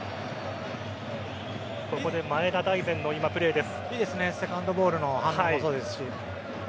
ここで前田大然のプレーです。